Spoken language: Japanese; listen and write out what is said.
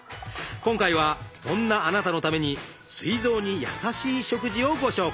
今回はそんなあなたのためにすい臓にやさしい食事をご紹介。